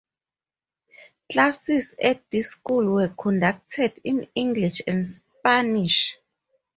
Classes at this school were conducted in English and Spanish.